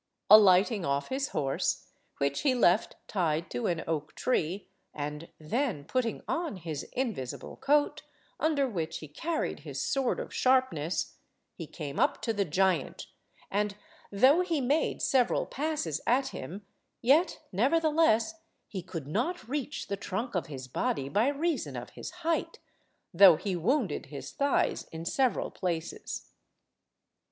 Alighting off his horse, which he left tied to an oak–tree, and then putting on his invisible coat, under which he carried his sword of sharpness, he came up to the giant, and, though he made several passes at him, yet, nevertheless, he could not reach the trunk of his body by reason of his height, though he wounded his thighs in several places.